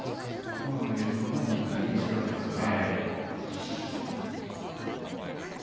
今の映像の前に１回転しているわけですよね。